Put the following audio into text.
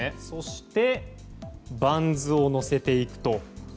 そしてバンズをのせていくと。